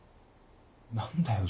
何だよ？